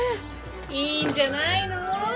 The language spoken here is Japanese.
いいんじゃないの？